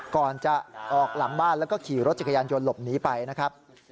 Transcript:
ก่อนจะออกหลังบ้านแล้วก็ขี่รถจักรยานยนต์หลบหนีไปนะครับ